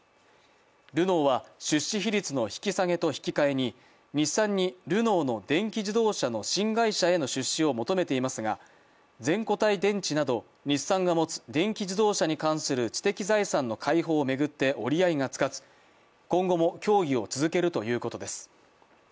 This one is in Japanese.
ルノーは出資比率の引き下げと引き替えに日産にルノーの電気自動車の新会社への出資を求めていますが、全固体電池など日産が持つ電気自動車に関する知的財産の開放を巡って折り合いがつかず、今後も協議を続けるということです。